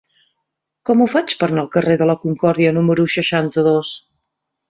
Com ho faig per anar al carrer de la Concòrdia número seixanta-dos?